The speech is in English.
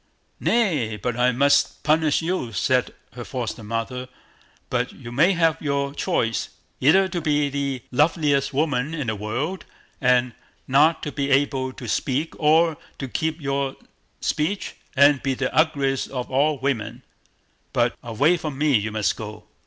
"Nay! but I must punish you!" said her foster mother; "but you may have your choice, either to be the loveliest woman in the world, and not to be able to speak, or to keep your speech, and be the ugliest of all women; but away from me you must go."